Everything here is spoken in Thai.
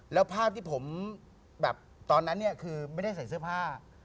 แล้วภาพที่ผมแบบตอนนั้นเนี่ยคือไม่ได้ใส่เสื้อผ้า